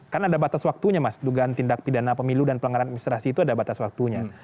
kan ada batas waktunya mas dugaan tindak pidana pemilu dan pelanggaran administrasi itu ada batas waktunya